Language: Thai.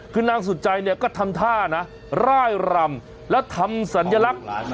คือนางสุดใจเนี่ยก็ทำท่านะร่ายรำแล้วทำสัญลักษณ์